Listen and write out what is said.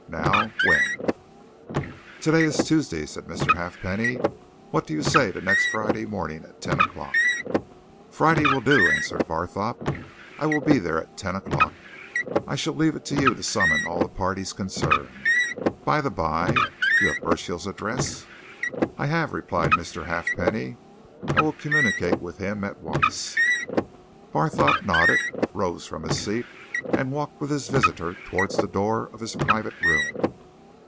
Now when?" "Today is Tuesday," said Mr. Halfpenny. "What do you say to next Friday morning, at ten o'clock?" "Friday will do," answered Barthorpe. "I will be there at ten o'clock. I shall leave it to you to summon all the parties concerned. By the by, have you Burchill's address?" "I have," replied Mr. Halfpenny. "I will communicate with him at once." Barthorpe nodded, rose from his seat, and walked with his visitor towards the door of his private room.